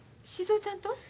静尾ちゃんと？